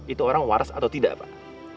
itu orang waras atau tidak pak